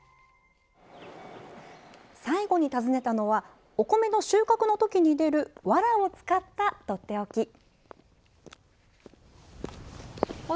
最後に訪ねたのはお米の収穫のときに出るわらを使った、とっておき。